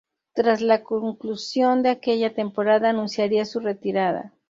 Tras la conclusión de aquella temporada, anunciaría su retirada.